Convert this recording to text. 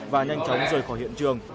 và nhanh chóng rời khỏi hiện trường